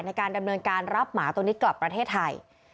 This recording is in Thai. ในการดำเนินการรับหมาตัวนี้กลับประเทศไทย